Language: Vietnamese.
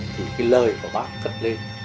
thì cái lời của bác cất lên